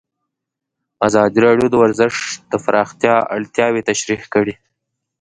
ازادي راډیو د ورزش د پراختیا اړتیاوې تشریح کړي.